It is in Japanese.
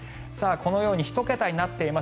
このように１桁になっています。